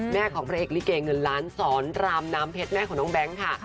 ของพระเอกลิเกเงินล้านสอนรามน้ำเพชรแม่ของน้องแบงค์ค่ะ